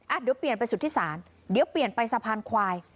เดี๋ยวเปลี่ยนไปสุทธิศาลเดี๋ยวเปลี่ยนไปสะพานควาย